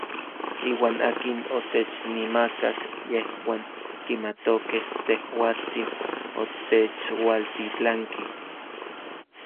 Iuan akin otechinmakak yejuan kimatokej tejuatsin otechualtitlanki.